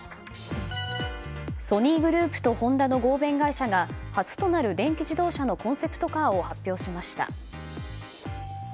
ソニーグループとホンダの合弁会社が初となる電気自動車のコンセプトカーを発表しました。